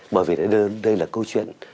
bởi vì đây là câu chuyện